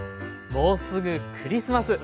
もうすぐクリスマス。